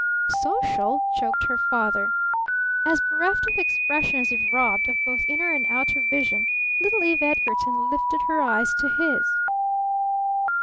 "Social?" choked her father. As bereft of expression as if robbed of both inner and outer vision, little Eve Edgarton lifted her eyes to his.